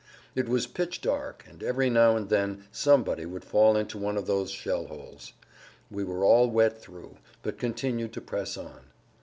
It was pitch dark, and every now and then somebody would fall into one of those shell holes. We were all wet through, but continued to press on.